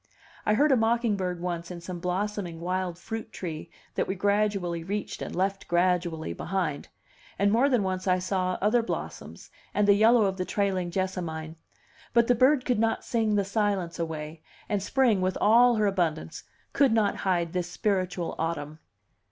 I heard a mocking bird once in some blossoming wild fruit tree that we gradually reached and left gradually behind; and more than once I saw other blossoms, and the yellow of the trailing jessamine; but the bird could not sing the silence away, and spring with all her abundance could not hide this spiritual autumn.